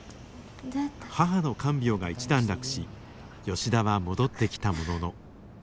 母の看病が一段落し吉田は戻ってきたものの。